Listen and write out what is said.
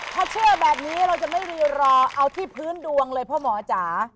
ถ้าเชื่อแบบนี้เราจะไม่รีรอเอาที่พื้นดวงเลยพ่อหมอจ๋า